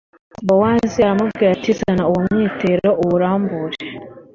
bowazi aramubwira ati zana uwo mwitero uwurambure